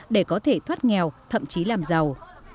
để có thể thoát nghèo thậm chí làm giàu